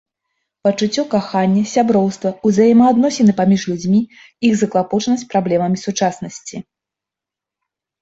Пачуццё кахання, сяброўства, узаемаадносіны паміж людзьмі, іх заклапочанасць праблемамі сучаснасці.